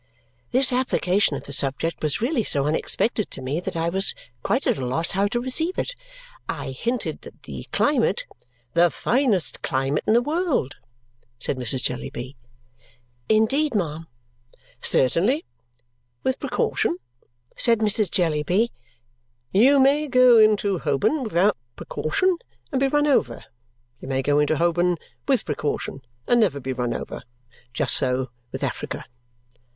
This application of the subject was really so unexpected to me that I was quite at a loss how to receive it. I hinted that the climate "The finest climate in the world!" said Mrs. Jellyby. "Indeed, ma'am?" "Certainly. With precaution," said Mrs. Jellyby. "You may go into Holborn, without precaution, and be run over. You may go into Holborn, with precaution, and never be run over. Just so with Africa."